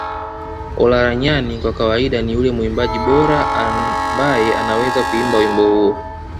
Olaranyani kwa kawaida ni yule mwimbaji bora ambaye anaweza kuimba wimbo huo